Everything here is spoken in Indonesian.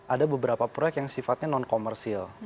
ada beberapa proyek yang sifatnya non komersil